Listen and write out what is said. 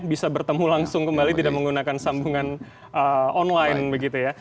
bisa bertemu langsung kembali tidak menggunakan sambungan online begitu ya